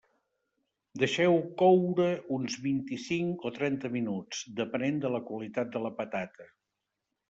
Deixeu-ho coure uns vint-i-cinc o trenta minuts, depenent de la qualitat de la patata.